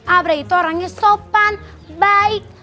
abrahi itu orangnya sopan baik